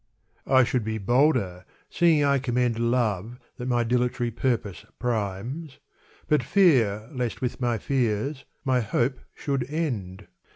I should be bolder, seeing I commend Love that my dilatory purpose primes, But fear lest with my fears my hope should end.